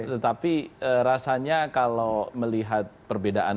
tetapi rasanya kalau melihat perbedaan